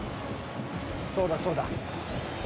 そうだそうだ。